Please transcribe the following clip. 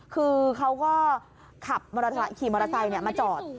คือเขาก็ขับมอเตอร์ไทยขี่มอเตอร์ไทยมาจอด